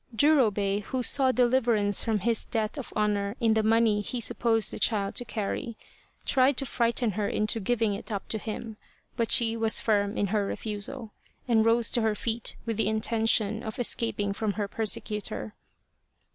Jurobei, who saw deliverance from his debt of honour in the money he supposed the child to carry, tried to frighten her into giving it up to him, but she was firm in her refusal, and rose to her feet with the intention of escaping from her persecutor.